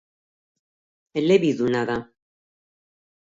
Elebiduna da.